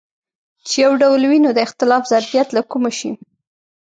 چې یو ډول وي نو د اختلاف ظرفیت له کومه شي.